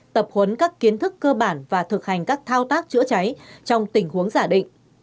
tập huấn các kiến thức cơ bản và thực hành các thao tác chữa cháy trong tình huống giả định